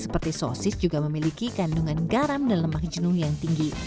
seperti sosis juga memiliki kandungan garam dan lemak jenuh yang tinggi